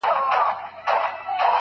نه د جنګ وه نه د ښکار نه د وژلو